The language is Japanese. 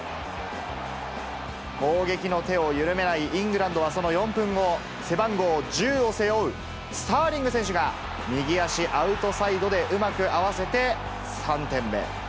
攻撃の手を緩めないイングランドはその４分後、背番号１０を背負うスターリング選手が、右足アウトサイドでうまく合わせて３点目。